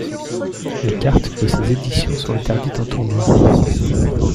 Les cartes de ces éditions sont interdites en tournois.